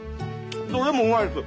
どれもうまいです。